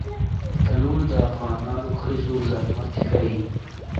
تنور د افغانو ښځو زحمت ښيي